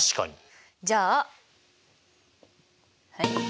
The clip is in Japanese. じゃあはい。